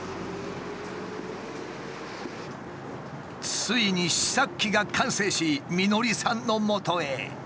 ついに試作機が完成し美典さんのもとへ。